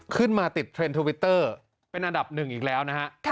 ขึ้นมาติดเทรนด์ทวิตเตอร์เป็นอันดับหนึ่งอีกแล้วนะฮะ